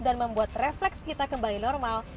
dan membuat refleks kita kembali normal